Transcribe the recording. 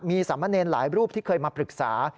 มีสามเณรหลายรูปที่เคยมาปรึกษา